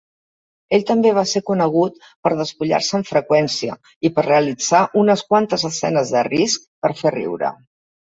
Ell també va ser conegut per despullar-se amb freqüència i per realitzar unes quantes escenes de risc per fer riure.